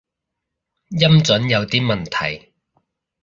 音準有啲問題